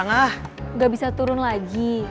nggak bisa turun lagi